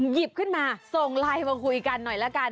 หยิบขึ้นมาส่งไลน์มาคุยกันหน่อยละกัน